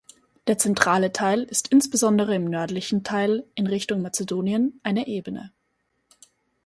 Der zentrale Teil ist insbesondere im nördlichen Teil in Richtung Mazedonien eine Ebene.